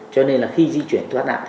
cho nên là khi di chuyển thoát nạn